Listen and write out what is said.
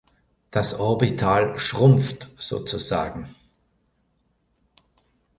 Das Orbital „schrumpft“ sozusagen.